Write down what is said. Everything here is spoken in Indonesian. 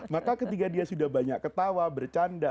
maka ketika dia sudah banyak ketawa bercanda